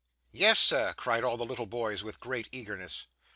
'Yes, sir,' cried all the little boys with great eagerness.